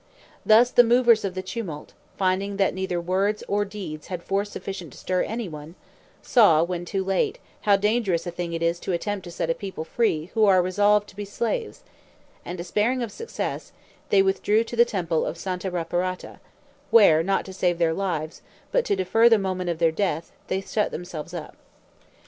Thus the movers of the tumult, finding that neither words or deeds had force sufficient to stir anyone, saw, when too late, how dangerous a thing it is to attempt to set a people free who are resolved to be slaves; and, despairing of success, they withdrew to the temple of Santa Reparata, where, not to save their lives, but to defer the moment of their deaths, they shut themselves up.